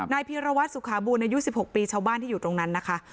นายพิระวัติสุขบูรณ์ในยุค๑๖ปีชาวบ้านที่อยู่ตรงนั้นนะคะ